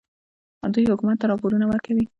دوی حکومت ته راپورونه ورکوي.